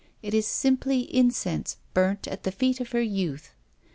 It is simply incense burnt at the feet of her youth.